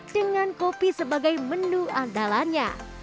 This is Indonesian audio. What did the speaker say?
dengan kopi sebagai menu andalannya